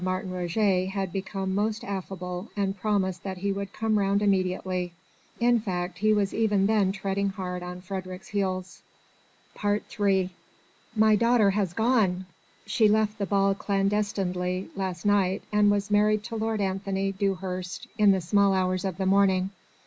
Martin Roget had become most affable and promised that he would come round immediately. In fact he was even then treading hard on Frédérick's heels. III "My daughter has gone! She left the ball clandestinely last night, and was married to Lord Anthony Dewhurst in the small hours of the morning.